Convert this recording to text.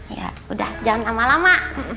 ya udah jangan lama lama